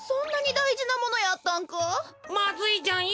まずいじゃんよ。